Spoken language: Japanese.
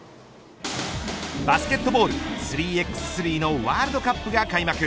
バスケットボール３×３のワールドカップが開幕。